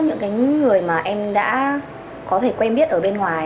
cái việc gặp gỡ những người mà em đã có thể quen biết ở bên ngoài